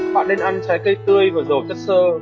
bạn nên ăn trái cây tươi và dầu cất sơ